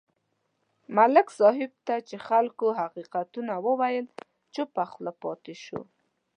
ملک صاحب ته چې خلکو حقیقتونه وویل، چوپه خوله پاتې شو.